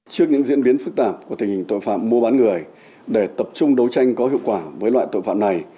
trước những diễn biến phức tạp của tình hình tội phạm mua bán người để tập trung đấu tranh có hiệu quả với loại tội phạm này